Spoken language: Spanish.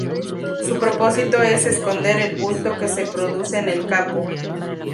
Su propósito es esconder el bulto que se produce en el capo.